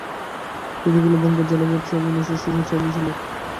তিনি নিখিল বঙ্গ জেলা বোর্ড চেয়ারম্যান এসোসিয়েশনের চেয়ারম্যান ছিলেন।